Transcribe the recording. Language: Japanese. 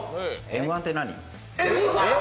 「Ｍ−１」って何？